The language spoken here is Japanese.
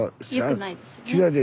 よくないですよね。